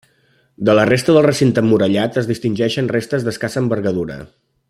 De la resta del recinte emmurallat es distingeixen restes d'escassa envergadura.